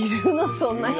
そんな人。